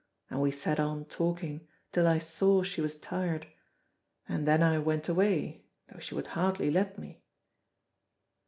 And we sat on talking, till I saw she was tired, and then I went away, though he would hardly let me."